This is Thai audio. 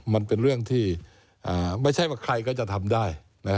มันเป็นเรื่องที่ไม่ใช่ว่าใครก็จะทำได้